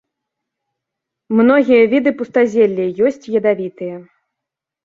Многія віды пустазелле, ёсць ядавітыя.